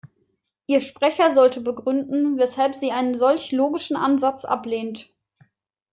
Ihr Sprecher sollte begründen, weshalb sie einen solch logischen Ansatz ablehnt.